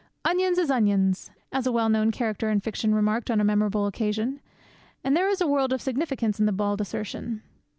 'Onions is onions!' as a well known character in fiction remarked on a memorable occasion, and there is a world of significance in the bald assertion.